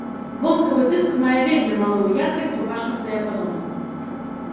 Вонкавы дыск мае вельмі малую яркасць у бачным дыяпазоне.